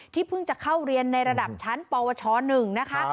เพิ่งจะเข้าเรียนในระดับชั้นปวช๑นะคะ